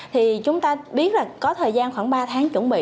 thì chúng ta biết là có thời gian khoảng ba tháng chuẩn bị